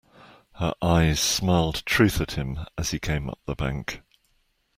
Her eyes smiled truth at him as he came up the bank.